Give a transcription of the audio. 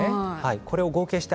これを合計して